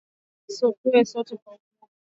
Tuwe sote kwa umoja